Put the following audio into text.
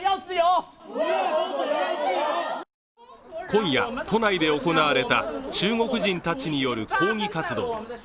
今夜、都内で行われた中国人たちによる抗議活動。